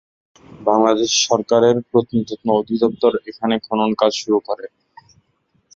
বাংলাদেশ সরকারের প্রত্নতত্ত্ব অধিদপ্তর এখানে খনন কাজ শুরু করে।